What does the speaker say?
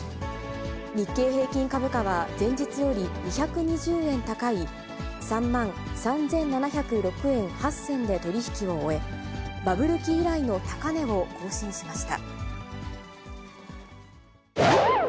日経平均株価は、前日より２２０円高い、３万３７０６円８銭で取り引きを終え、バブル期以来の高値を更新しました。